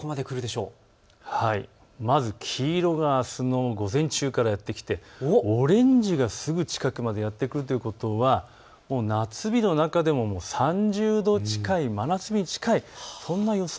まず黄色があすの午前中からやって来てオレンジがすぐ近くまでやって来るということは夏日の中でも３０度近い、真夏日に近い、そんな予想